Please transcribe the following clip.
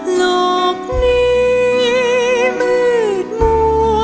โลกนี้มืดมัว